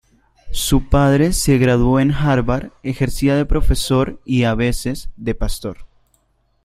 Su padre se graduó en Harvard, ejercía de profesor y, a veces, de pastor.